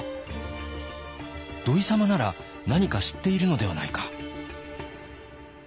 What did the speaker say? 「土井様なら何か知っているのではないか」。